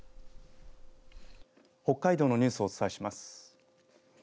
北海道のニュースをお伝えします。